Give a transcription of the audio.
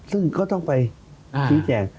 ซึ่งก็ต้องไปชี้แจง